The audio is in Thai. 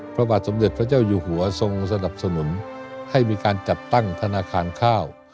พระบาทสมเด็จพระเจ้าอยู่หัวทรงสนับสนุนให้มีการจัดตั้งธนาคารข้าว